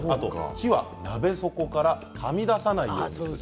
火は鍋底からはみ出さないようにする。